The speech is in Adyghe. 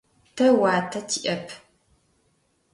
Тэ уатэ тиӏэп.